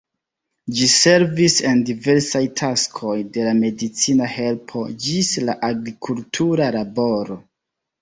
Ĝi servis en diversaj taskoj de la medicina helpo ĝis la agrikultura laboro.